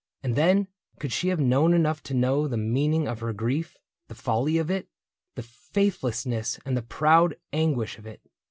And then, could she have known enough to know The meaning of her grief, the folly of it. The faithlessness and the proud anguish of it.